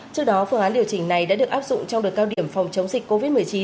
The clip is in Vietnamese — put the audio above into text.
trước đó phương án điều chỉnh này đã được áp dụng trong đợt cao điểm phòng chống dịch covid một mươi chín